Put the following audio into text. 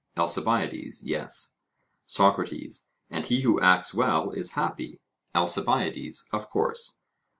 ALCIBIADES: Yes. SOCRATES: And he who acts well is happy? ALCIBIADES: Of course.